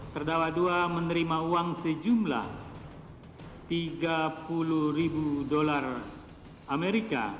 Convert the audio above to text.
terdakwa dua menerima uang sejumlah tiga puluh ribu dolar amerika